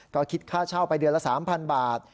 ก็คิดค่าเช่าไปเดือนละ๓๐๐บาท